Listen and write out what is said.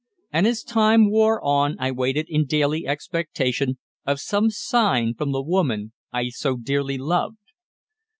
And as time wore on I waited in daily expectation of some sign from the woman I so dearly loved.